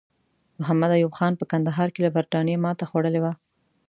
محمد ایوب خان په کندهار کې له برټانیې ماته خوړلې وه.